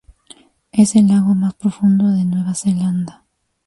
Es el lago más profundo de Nueva Zelanda.